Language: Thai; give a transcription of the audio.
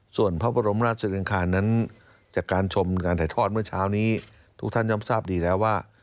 ส่วนพระบรมราชริงคารนั้นจากการชมงานถ่ายทอดเมื่อเช้านี้ทุกท่านย่อมทราบดีแล้วว่า